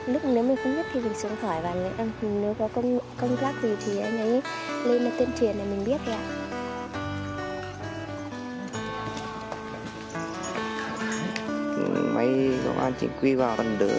lúc nếu mình không biết thì mình xuống khỏi và nếu có công tác gì thì anh ấy lên tên truyền là mình biết rồi ạ